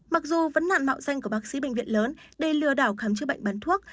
mặc dù vấn nạn mạo danh của bác sĩ bệnh viện lớn để lừa đảo khám chữa bệnh bán thuốc